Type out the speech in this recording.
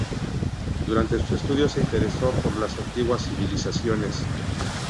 Durante sus estudios se interesó por las antiguas civilizaciones.